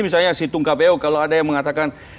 misalnya si tung kpu kalau ada yang mengatakan